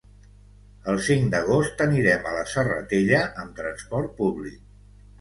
El cinc d'agost anirem a la Serratella amb transport públic.